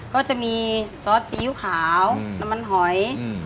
ก็จะมีซอสซีอิ๊วขาวน้ำมันหอย